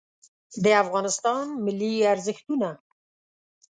د افغانستان ملي ارزښتونه